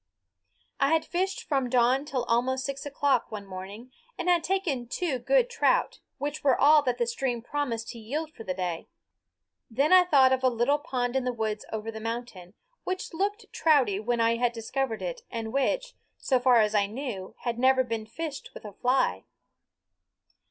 I had fished from dawn till almost six o'clock, one morning, and had taken two good trout, which were all that the stream promised to yield for the day. Then I thought of a little pond in the woods over the mountain, which looked trouty when I had discovered it and which, so far as I knew, had never been fished with a fly.